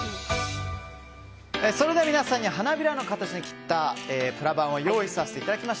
皆さんに花びらの形に切ったプラバンを用意させていただきました。